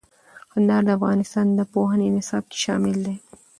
کندهار د افغانستان د پوهنې نصاب کې شامل دی.